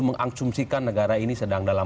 mengasumsikan negara ini sedang dalam